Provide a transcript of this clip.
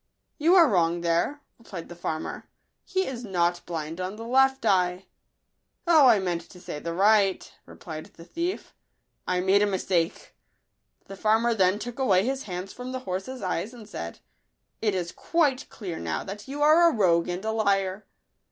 " You are wrong there," replied the farmer ;" he is not blind on the left eye." " O, I meant to say the right," replied the thief; " I made a mistake." The farmer then took away his hands from the horse's eyes, and said, " It is quite clear, now, that you are a rogue and a liar.